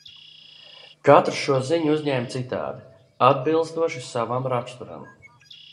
Katrs šo ziņu uzņēma citādi, atbilstoši savam raksturam.